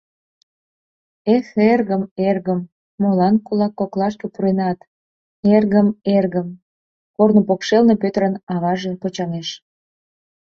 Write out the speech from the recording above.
— Эх, эргым, эргым... молан кулак коклашке пуренат, эргым, эргым, — корно покшелне Пӧтырын аваже почаҥеш.